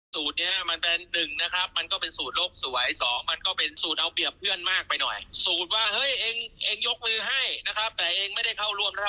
จะไปหวังว่าให้เขายกมือให้เนี่ยเขาคงไม่ยกมือ